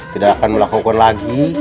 tidak akan melakukan lagi